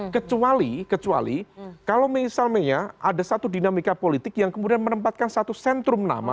kecuali kecuali kalau misalnya ada satu dinamika politik yang kemudian menempatkan satu sentrum nama